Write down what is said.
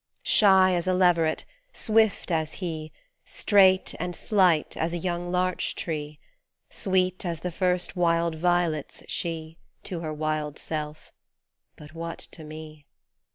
Shy as a leveret, swift as he, Straight and slight as a young larch tree, Sweet as the first wild violets, she, To her wild self. But what to me